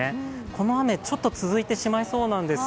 この雨、ちょっと続いてしまいそうなんです。